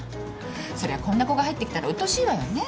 そりゃこんな子が入ってきたらうっとうしいわよね。